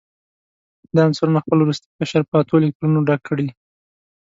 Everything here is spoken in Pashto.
دا عنصرونه خپل وروستی قشر په اتو الکترونونو ډک کړي.